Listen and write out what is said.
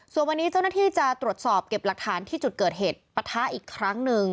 ส่วนวันนี้เจ้าหน้าที่จะตรวจสอบเก็บหลักฐานที่จุดเกิดเหตุปะทะอีกครั้งหนึ่ง